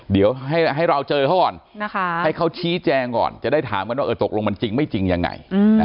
เดี๋ยวให้เราเจอเขาก่อนให้เขาชี้แจงก่อนจะได้ถามกันว่าตกลงมันจริงไม่จริงยังไง